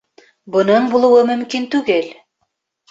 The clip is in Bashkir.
Бының булыуы мөмкин түгел.